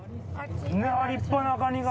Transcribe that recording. わっ立派なカニが。